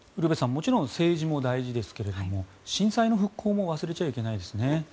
もちろん政治も大事ですけれども震災の復興も忘れちゃいけないですね。